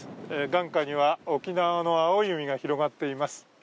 眼下には沖縄の青い海が広がっています。